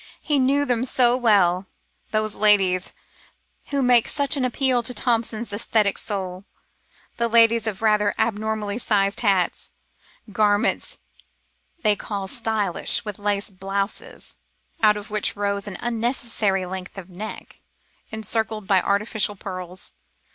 He knew them so well those ladies who made such an appeal to Thompson's æsthetic soul, the ladies of rather abnormally sized hats, garments they called "stylish," with lace blouses, out of which rose an unnecessary length of neck, encircled by artificial pearls.